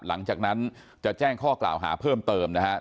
หลังจากนั้นจะแจ้งข้อกล่าวหาเพิ่มเติมนะครับ